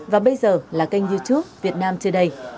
và bây giờ là kênh youtube việt nam today